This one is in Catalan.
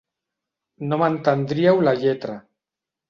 No m'entendríeu la lletra.